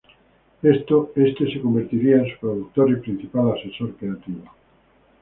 Éste se convertiría en su productor y principal asesor creativo.